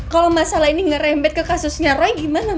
kalau masalah ini ngerempet ke kasusnya roy gimana